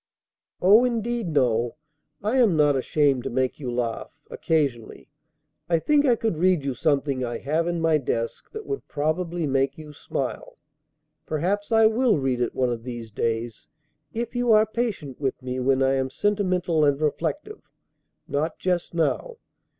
Oh, indeed, no! I am not ashamed to make you laugh, occasionally. I think I could read you something I have in my desk that would probably make you smile. Perhaps I will read it one of these days, if you are patient with me when I am sentimental and reflective; not just now.